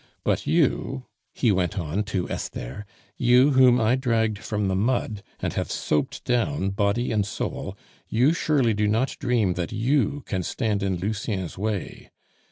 But you," he went on to Esther, "you whom I dragged from the mud, and have soaped down body and soul, you surely do not dream that you can stand in Lucien's way?